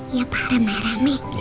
iya pak rame rame